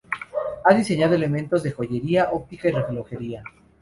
Ha diseñado elementos de joyería, óptica y relojería.